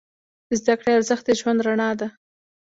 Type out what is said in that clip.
د زده کړې ارزښت د ژوند رڼا ده.